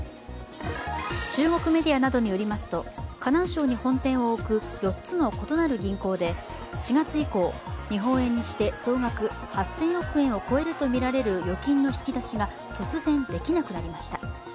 中国メディアなどによりますと河南省に本店を置く４つの異なる銀行で、４月以降、日本円にして総額８０００億円を超えるとみられる預金の引き出しが突然、できなくなりました。